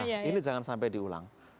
nah ini jangan sampai diulang